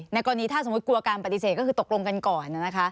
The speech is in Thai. กรณีถ้าสมมุติกลัวการปฏิเสธก็คือตกลงกันก่อน